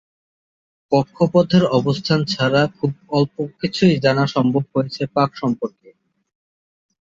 কক্ষপথের অবস্থান ছাড়া খুব অল্প কিছুই জানা সম্ভব হয়েছে পাক সম্পর্কে।